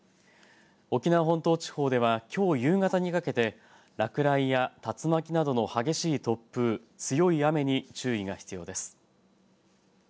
沖縄本島地方ではきょう夕方にかけて落雷や、竜巻などの激しい突風強い雨に注意が必要です。